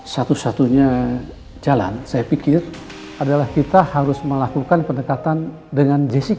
satu satunya jalan saya pikir adalah kita harus melakukan pendekatan dengan jessica